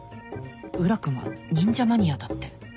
宇良君は忍者マニアだって